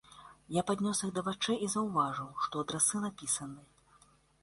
Я паднёс іх да вачэй і заўважыў, што адрасы напісаны.